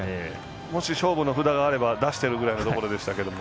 もし勝負の札があれば出してるぐらいのところでしたけど。